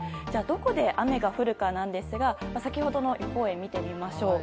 どこで雨が降るかですが先ほどの予報円見てみましょう。